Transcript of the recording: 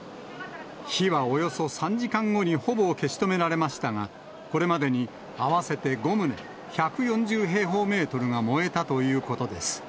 火はおよそ３時間後にほぼ消し止められましたが、これまでに合わせて５棟１４０平方メートルが燃えたということです。